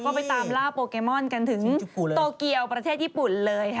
ก็ไปตามล่าโปเกมอนกันถึงโตเกียวประเทศญี่ปุ่นเลยค่ะ